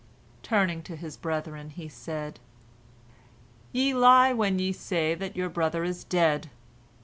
Turning to his brethren, he said: "Ye lie when ye say that your brother is dead.